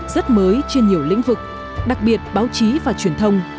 rất mới trên nhiều lĩnh vực đặc biệt báo chí và truyền thông